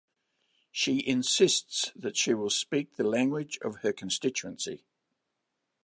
She insists that she will speak the language of her constituency.